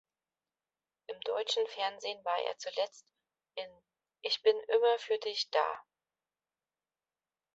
Im deutschen Fernsehen war er zuletzt in "Ich bin immer für Dich da!